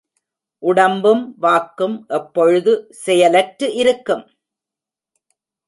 உடம்பும் வாக்கும் எப்பொழுது செயலற்று.. இருக்கும்?